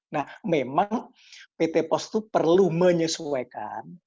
nah memang pt post itu perlu menyesuaikan